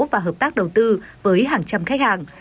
và hợp tác đầu tư với hàng trăm khách hàng